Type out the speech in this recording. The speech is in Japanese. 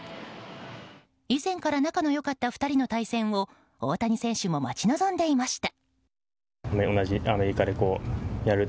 以前から仲の良かった２人の対戦を大谷選手も待ち望んでいました。